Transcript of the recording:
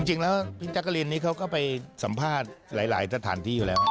จริงแล้วพี่แจ๊กกะลินนี่เขาก็ไปสัมภาษณ์หลายสถานที่อยู่แล้ว